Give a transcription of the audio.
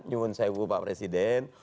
nyumun saya ibu pak presiden